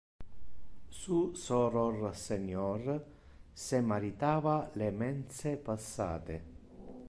Su soror senior se maritava le mense passate.